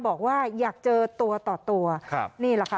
บอกว่าอยากเจอตัวต่อตัวครับนี่แหละค่ะ